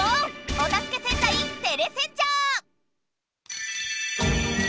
おたすけ戦隊テレセンジャー！